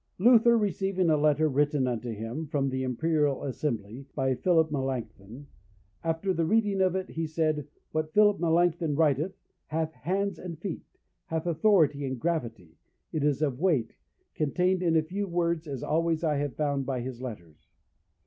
Luther receiving a letter written unto him, from the Imperial Assembly, by Philip Melancthon, after the reading of it, he said, What Philip Melancthon writeth hath hands and feet, hath authority and gravity, it is of weight, contained in a few words, as always I have found by his letters.